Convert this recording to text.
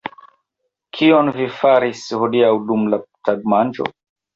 Kion vi faris hodiaŭ dum la tagmanĝo?